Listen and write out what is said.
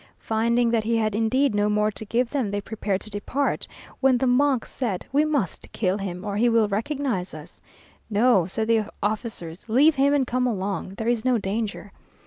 Finding that he had indeed no more to give them they prepared to depart, when the monk said, "We must kill him, or he will recognise us." "No," said the officers, "leave him and come along. There is no danger."